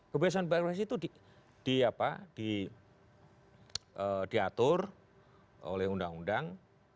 kebebasan berpresi itu diatur oleh undang undang